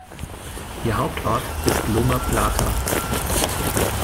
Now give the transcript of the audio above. Ihr Hauptort ist Loma Plata.